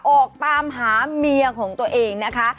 ออกตามหาเมียของตัวเองนะคะ